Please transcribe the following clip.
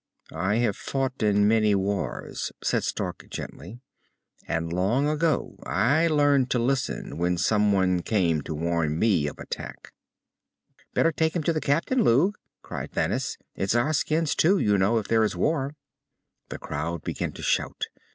"I have fought in many wars," said Stark gently. "And long ago I learned to listen, when someone came to warn me of attack." "Better take him to the captain, Lugh," cried Thanis. "It's our skins too, you know, if there is war." The crowd began to shout.